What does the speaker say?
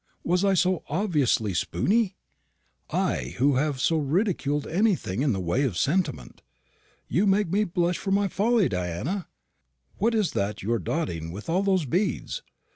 "Was I so obviously spoony? I who have so ridiculed anything in the way of sentiment. You make me blush for my folly, Diana. What is that you are dotting with all those beads?